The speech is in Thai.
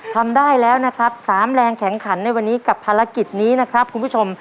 ทำได้แล้วนะครับ๓แรงแข็งขันในวันนี้กับภารกิจนี้นะครับคุณผู้ชม